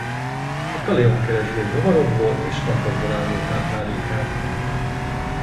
A talajon keresgéli rovarokból és magvakból álló táplálékát.